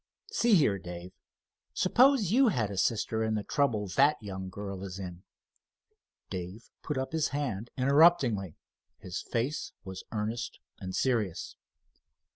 See here, Dave, suppose you had a sister in the trouble that young girl is in?" Dave put up his hand interruptingly. His face was earnest and serious.